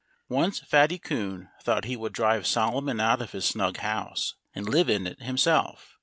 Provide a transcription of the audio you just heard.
Once Fatty Coon thought that he would drive Solomon out of his snug house and live in it himself.